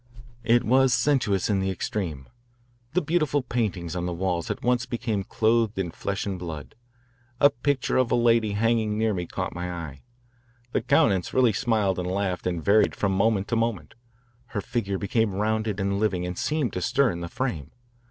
It was sensuous in the extreme. The beautiful paintings on the walls at once became clothed in flesh and blood. A picture of a lady hanging near me caught my eye. The countenance really smiled and laughed and varied from moment to moment. Her figure became rounded and living and seemed to stir in the frame.